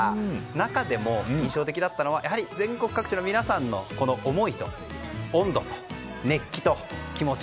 中でも、印象的だったのは全国各地の皆さんの思いと温度と熱気と気持ち。